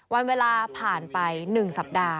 วันเวลาผ่านไป๑สัปดาห์